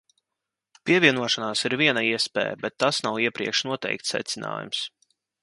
Pievienošanās ir viena iespēja, bet tas nav iepriekš noteikts secinājums.